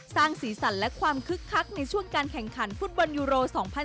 สร้างสีสันและความคึกคักในช่วงการแข่งขันฟุตบอลยูโร๒๐๑๖